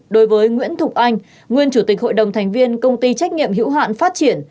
đối với nguyễn thục anh nguyên chủ tịch hội đồng thành viên công ty trách nhiệm hữu hạn phát triển